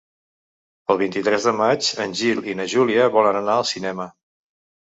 El vint-i-tres de maig en Gil i na Júlia volen anar al cinema.